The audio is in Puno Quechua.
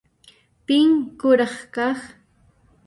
Pin kuraq kaq?